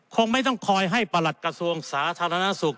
คงไม่ต้องคอยให้ประหลัดกระทรวงสาธารณสุข